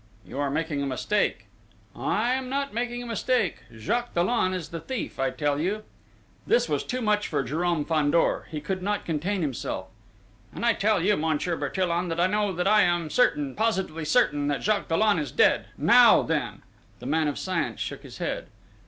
"You are making a mistake!..." "I am not making a mistake!... Jacques Dollon is the thief I tell you!" This was too much for Jérôme Fandor: he could not contain himself. "And I tell you, Monsieur Bertillon, that I know that I am certain positively certain, that Jacques Dollon is dead!... Now, then!..." The man of science shook his head.